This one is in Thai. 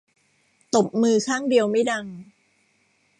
ตบมือข้างเดียวไม่ดัง